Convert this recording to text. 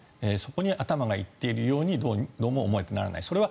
そこに頭が行っているようにどうも思えてならない。